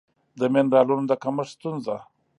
د مېنرالونو د کمښت ستونزه